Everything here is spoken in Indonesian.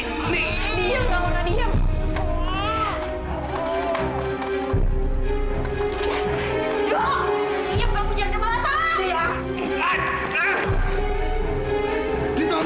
kalau gak ada orang yang mau juri anak saya tolong